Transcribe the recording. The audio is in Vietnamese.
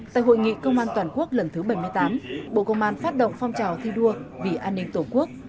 tại hội nghị công an toàn quốc lần thứ bảy mươi tám bộ công an phát động phong trào thi đua vì an ninh tổ quốc